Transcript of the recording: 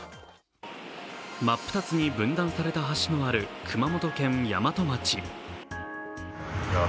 真っ二つに分断された橋のある熊本県山都町。